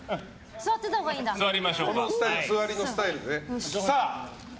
座りのスタイルでね。